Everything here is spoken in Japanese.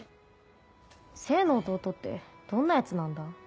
政の弟ってどんな奴なんだ？